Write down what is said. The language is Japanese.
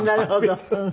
なるほど。